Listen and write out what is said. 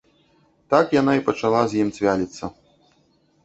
Так яна і пачала з ім цвяліцца.